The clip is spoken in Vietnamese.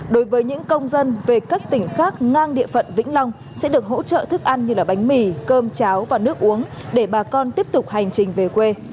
đối với những công dân về các tỉnh khác ngang địa phận vĩnh long sẽ được hỗ trợ thức ăn như bánh mì cơm cháo và nước uống để bà con tiếp tục hành trình về quê